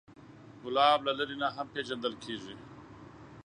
ګلاب له لرې نه هم پیژندل کېږي.